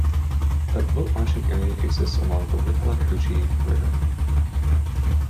A boat launching area exists along the Withlacoochee River.